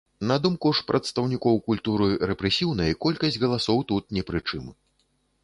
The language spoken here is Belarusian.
На думку ж прадстаўнікоў культуры рэпрэсіўнай, колькасць галасоў тут не пры чым.